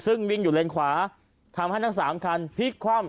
ซึ่งวิ่งอยู่เลนขวาทำให้ทั้งสามคันพลิกคว่ำ